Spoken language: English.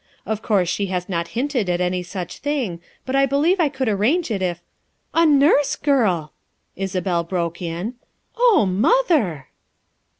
Of course she has not hinted at any such thing but I be lieve I could arrange it if — "A nurse girl!" Isabel broke in. "Oh, mother!"